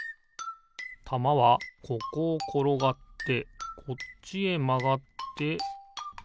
たまはここをころがってこっちへまがってえ？